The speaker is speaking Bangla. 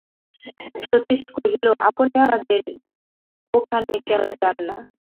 সতীশ কহিল, আপনি আমাদের ওখানে কেন যান না?